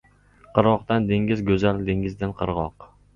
• Qirg‘oqdan dengiz go‘zal, dengizdan — qirg‘oq.